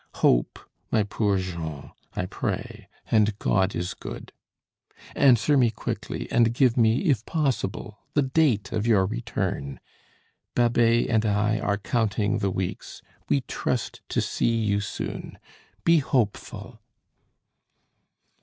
Hope, my poor Jean, I pray, and God is good. "Answer me quickly, and give me, if possible, the date of your return. Babet and I are counting the weeks. We trust to see you soon; be hopeful."